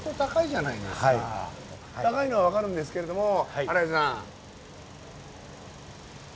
高いのはわかるんですけれども新井さん。